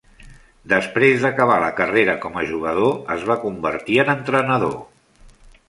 Després d'acabar la carrera com a jugador es va convertir en entrenador.